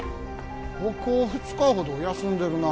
ここ２日ほど休んでるな。